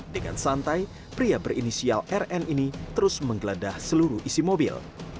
dengan santai pria berinisial rn ini terus menggeledah seluruh isi mobil